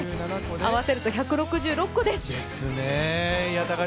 合わせると１６６個です。